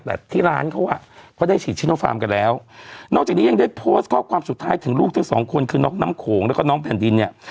แต่ที่ร้านเขาอ่ะเขาได้ฉีดชิโนฟาร์มกันแล้วนอกจากนี้ยังได้โพสต์ข้อความสุดท้ายถึงลูกทั้งสองคนคือน็อกน้ำโขงแล้วก็น้องแผ่นดินเนี่ย